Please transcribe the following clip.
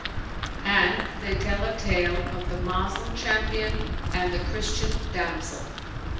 And they tell a tale of THE MOSLEM CHAMPION AND THE CHRISTIAN DAMSEL.